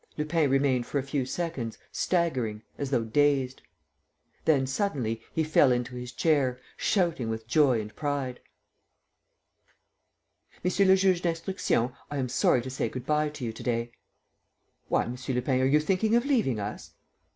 Lupin remained for a few seconds, staggering, as though dazed. ... Then, suddenly, he fell into his chair, shouting with joy and pride. ..."Monsieur le Juge d'Instruction, I am sorry to say good bye to you to day." "Why, M. Lupin, are you thinking of leaving us?"